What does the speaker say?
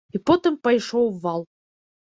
І потым пайшоў вал.